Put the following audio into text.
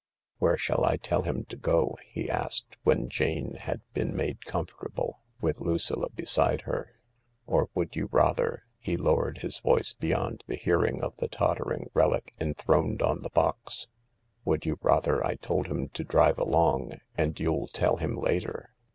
" Where shall I tell him to go ?" he asked, when Jane had been made comfortable, with Lucilla beside her. " Or would you rather "—he lowered his voice beyond the hearing of the tottering relic enthroned on the box —" would you rather I told him to drive along and you'll tell him later